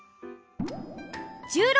１６